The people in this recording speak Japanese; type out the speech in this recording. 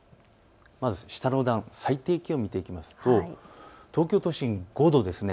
まず最低気温を見ていきますと東京都心５度です。